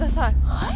はい？